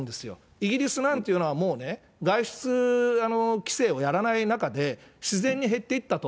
イギリスなんていうのはもうね、外出規制をやらない中で、自然に減っていったと。